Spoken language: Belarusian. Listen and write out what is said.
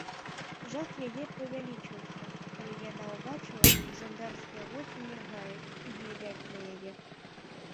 Жах яе павялічыўся, калі яна ўбачыла, што жандарскія вочы міргаюць і глядзяць на яе.